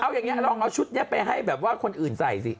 เอาอย่างนี้ลองเอาชุดนี้ไปให้แบบว่าคนอื่นใส่สิ